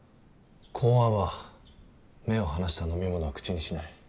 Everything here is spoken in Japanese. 公安は目を離した飲み物は口にしない。